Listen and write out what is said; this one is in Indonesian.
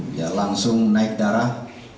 dia langsung naik darah